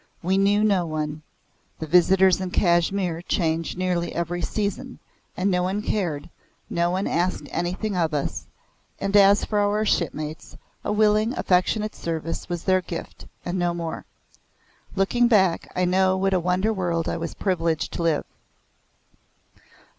We knew no one. The visitors in Kashmir change nearly every season, and no one cared no one asked anything of us, and as for our shipmates, a willing affectionate service was their gift, and no more. Looking back, I know in what a wonder world I was privileged to live.